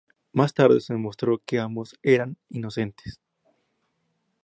Más tarde se demostró que ambos eran inocentes.